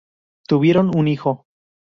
Tuvieron un hijo.